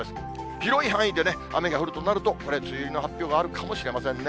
広い範囲で雨が降るとなると、これ、梅雨入りの発表があるかもしれませんね。